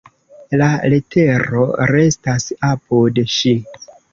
La telero restas apud ŝi.